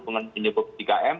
dengan jenis tiga m